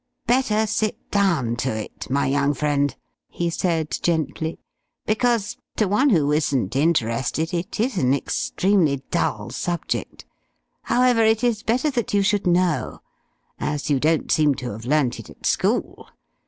"Better sit down to it, my young friend," he said, gently. "Because, to one who isn't interested, it is an extremely dull subject. However, it is better that you should know as you don't seem to have learnt it at school.